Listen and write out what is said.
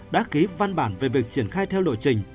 đã ký văn bản về việc triển khai theo lộ trình